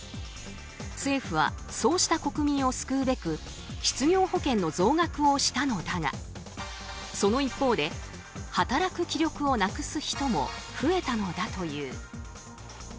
政府は、そうした国民を救うべく失業保険の増額をしたのだがその一方で働く気力をなくす人も増えたのだという。